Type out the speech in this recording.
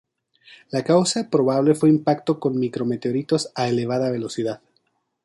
La causa probable fue impacto con micro meteoritos a elevada velocidad.